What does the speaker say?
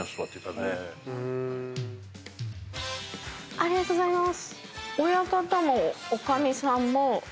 ありがとうございます。